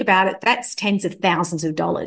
itu adalah beribu ribu ribu dolar